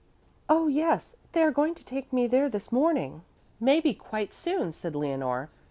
"Oh, yes, they are going to take me there this morning, maybe quite soon," said Leonore.